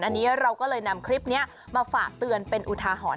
อันนี้เราก็เลยนำคลิปนี้มาฝากเตือนเป็นอุทาหรณ์